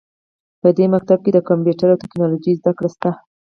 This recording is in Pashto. په دې ښوونځي کې د کمپیوټر او ټکنالوژۍ زده کړه شته